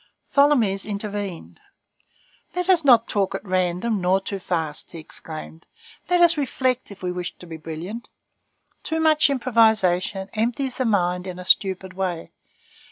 Tholomyès intervened. "Let us not talk at random nor too fast," he exclaimed. "Let us reflect, if we wish to be brilliant. Too much improvisation empties the mind in a stupid way.